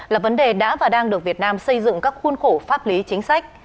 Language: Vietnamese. là vấn đề đã và đang được việt nam xây dựng các khuôn khổ pháp lý chính sách